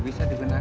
bisa gak ditandung